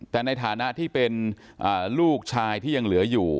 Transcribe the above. แต่ในฐานะที่เป็นลูกชายที่ยังเหลืออยู่